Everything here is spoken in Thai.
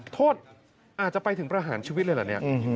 โทษอาจจะไปถึงประหารชีวิตเลยเหรอเนี่ย